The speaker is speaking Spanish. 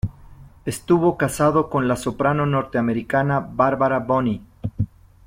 Estuvo casado con la soprano norteamericana Barbara Bonney.